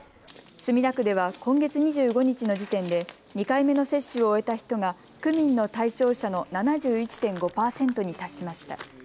墨田区では今月２５日の時点で２回目の接種を終えた人が区民の対象者の７１．５％に達しました。